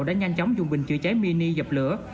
đã nhanh chóng dùng bình chữa cháy mini dập lửa